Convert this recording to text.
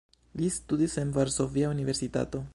Li studis en Varsovia Universitato.